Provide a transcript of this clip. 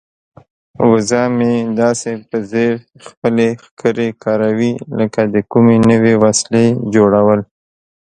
وزه مې داسې په ځیر خپلې ښکرې کاروي لکه د کومې نوې وسیلې جوړول.